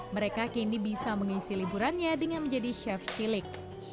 mereka kini bisa mengisi liburannya dengan menjadi chef cilik